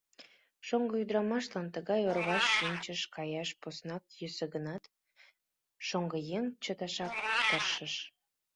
Шоҥго ӱдырамашлан тыгай орваш шинчын каяш поснак йӧсӧ гынат, шоҥгыеҥ чыташак тыршыш.